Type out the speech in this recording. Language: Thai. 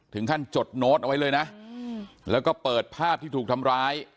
จดโน้ตเอาไว้เลยนะแล้วก็เปิดภาพที่ถูกทำร้าย